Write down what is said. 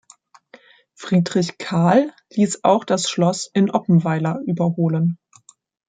Friedrich Carl ließ auch das Schloss in Oppenweiler überholen.